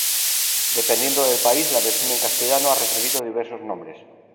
Dependiendo del país, la versión en castellano ha recibido diversos nombres.